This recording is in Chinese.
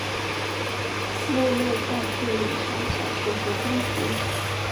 穆勒在这里上小学和中学。